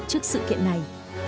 trước sự kiện này